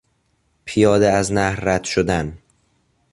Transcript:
پیاده از نهر رد شدن